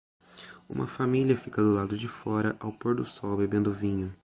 Uma família fica do lado de fora ao pôr do sol bebendo vinho